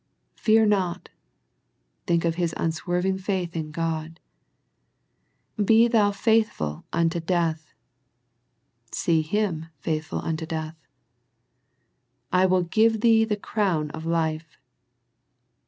" Fear not !" Think of His unswerving faith in God. " Be thou faithful until death !" See Him faithful unto death. *' I will give thee the crown of life